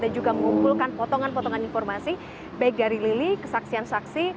dan juga melihat dan mengumpulkan potongan potongan informasi baik dari lili kesaksian saksi